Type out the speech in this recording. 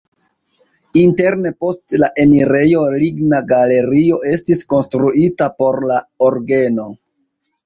Interne post la enirejo ligna galerio estis konstruita por la orgeno.